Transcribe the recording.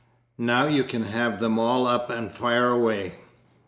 Now you can have them all up and fire away."